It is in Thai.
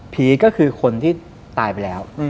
ก็คือคนที่ตายไปแล้ว